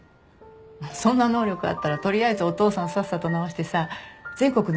そんな能力あったら取りあえずお父さんさっさと治してさ全国の病院回るよね。